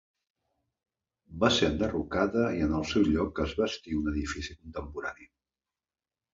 Va ser enderrocada i en el seu lloc es bastí un edifici contemporani.